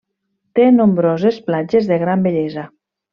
Té nombroses platges de gran bellesa.